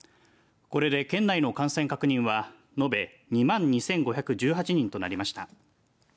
これで県内の感染確認は延べ２万２５１８人となりました。